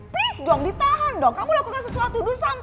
please dong ditahan dong kamu lakukan sesuatu